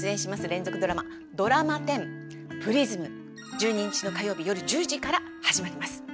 １２日の火曜日よる１０時から始まります。